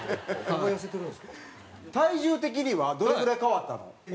体重的にはどれぐらい変わったの？